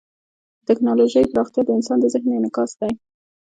د ټیکنالوژۍ پراختیا د انسان د ذهن انعکاس دی.